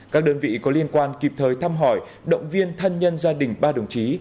các đơn vị có liên quan kịp thời thăm hỏi động viên thân nhân gia đình ba đồng chí